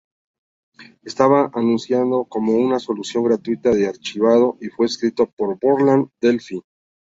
Estaba anunciado como una solución gratuita de archivado y fue escrito en Borland Delphi.